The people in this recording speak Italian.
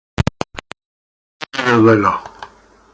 Madonna del Velo